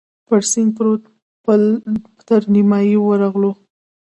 پر سیند پروت پل تر نیمايي ورغلو.